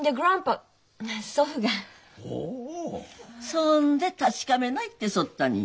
そんで「確かめない」ってそったに。